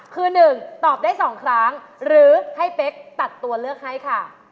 คือ๑ตอบได้๒ครั้งหรือให้เป๊กตัดตัวเลือกให้ค่ะ